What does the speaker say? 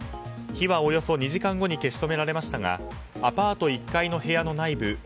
火はおよそ２時間後に消し止められましたがアパート１階の部屋の内部